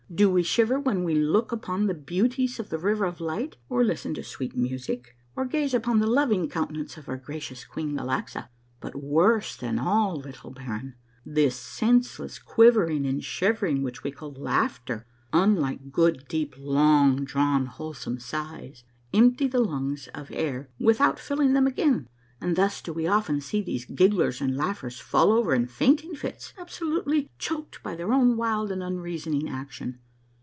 Do we shiver when Ave look upon the beauties of the River of Light, or listen to sweet music, or gaze upon the loving countenance of our gracious Queen Galaxa ? But worse than all, little baron, this senseless quivering and shivering which we call laughter, unlike good, deep, long drawn, wholesome sighs, empty the lungs of air without filling them again, and thus do we often see these gigglers and laughers fall over in fainting fits, absolutely clioked by their own wild and unreasoning action.